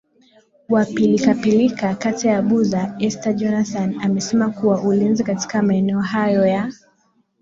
wa Pilikapilika kata ya Buza Esther Jonathan amesema kuwa Ulinzi katika maeneo hayo ya